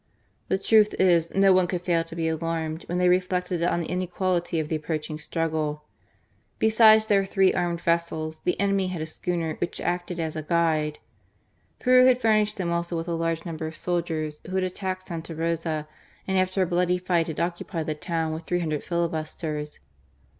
The truth is, no one could fail to be alarmed when they re flected on the inequality of the approaching struggle. Besides their three armed vessels, the enemy had a schooner which acted as a guide. Peru had fur nished them also with a large number of soldiers, who had attacked Santa Rosa and after a bloody fight had occupied the town with three hundred filibusters.